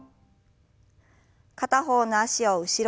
片方の脚を後ろに。